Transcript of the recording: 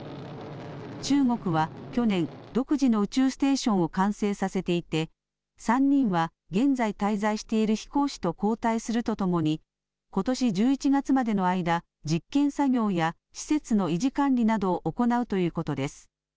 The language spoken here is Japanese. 中国は去年、独自の宇宙ステーションを完成させていて３人は現在滞在している飛行士と交代するとともにことし１１月までの間、実験作業や施設の維持管理などを行うということです。